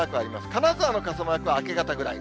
金沢の傘マークは明け方ぐらい。